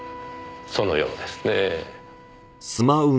そのようですねえ。